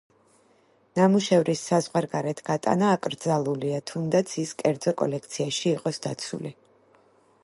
ნამუშევრის საზღვარგარეთ გატანა აკრძალულია თუნდაც, ის კერძო კოლექციაში იყოს დაცული.